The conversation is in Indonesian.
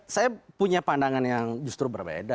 saya punya pandangan yang justru berbeda